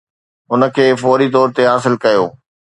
هن کي فوري طور تي حاصل ڪيو.